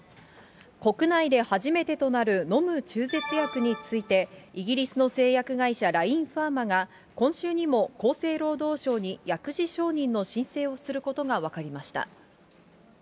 国内で初めてとなる飲む中絶薬について、イギリスの製薬会社、ラインファーマが、今週にも厚生労働省に薬事承認の申請をすることが分かりました。